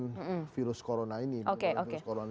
bagaimana harus menghadapi kejadian virus corona ini